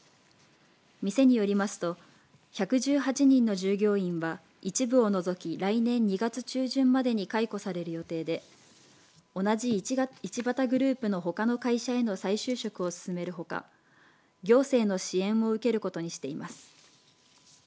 店によりますと１１８人の従業員は、一部を除き来年２月中旬までに解雇される予定で同じ一畑グループのほかの会社への再就職を進めるほか行政の支援を受けることにしています。